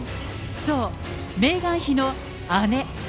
そう、メーガン妃の姉。